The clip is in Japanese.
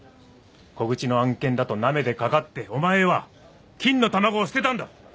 小口の案件だとなめてかかってお前は金の卵を捨てたんだ